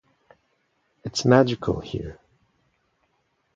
It's magical here...